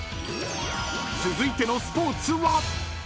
［続いてのスポーツは？］